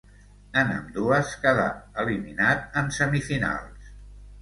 En ambdues quedà eliminat en semifinals.